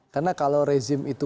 karena kalau rezim itu